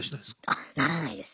あならないです。